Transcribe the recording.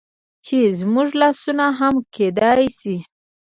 چې زموږ لاسونه هم کيدى شي